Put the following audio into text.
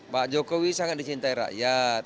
pak jokowi sangat dicintai rakyat